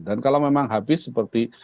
dan kalau memang habis seperti